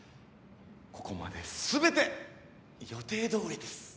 ここまで全て予定どおりです。